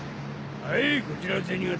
はいこちら銭形。